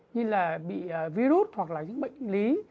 như là bị virus hoặc là những bệnh lý